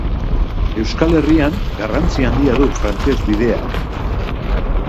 Euskal Herrian garrantzi handia du Frantses bideak.